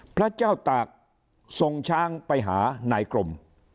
พระเจ้าตากทรงช้างไปหานายกรม